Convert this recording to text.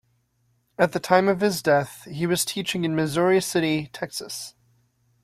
At the time of his death, he was teaching in Missouri City, Texas.